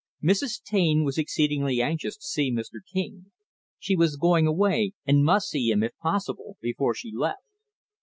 Mrs. Taine was exceedingly anxious to see Mr. King. She was going away, and must see him, if possible, before she left.